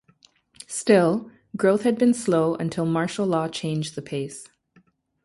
Still, growth had been slow until Martial law changed the pace.